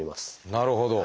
なるほど。